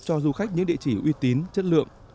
cho du khách những địa chỉ uy tín chất lượng